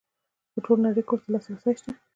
په ټوله نړۍ کې ورته لاسرسی شته.